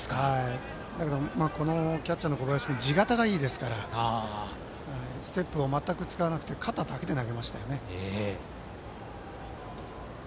このキャッチャーの小林君は地肩がいいですからステップを全く使わずに肩だけで投げましたよね。